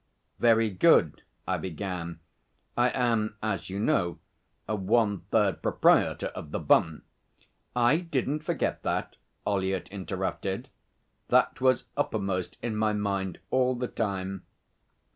'Very good,' I began. 'I am, as you know, a one third proprietor of The Bun.' 'I didn't forget that,' Ollyett interrupted. 'That was uppermost in my mind all the time.